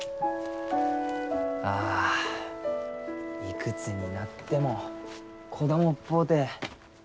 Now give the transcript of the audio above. あいくつになっても子供っぽうて。